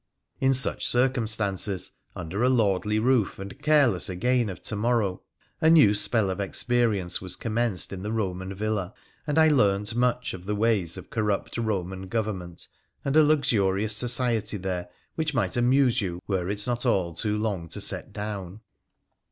In such circumstances, under a lordly roof and careless again of to morrow, a new spell of experience was commenced in the Eoman villa, and I learnt much of the ways of corrupt Eoman government and a luxu rious society there which might amuse you were it not all too long to set down.